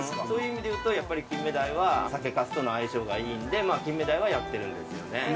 そういう意味で言うとやっぱり金目鯛は酒粕との相性がいいんで金目鯛はやってるんですよね。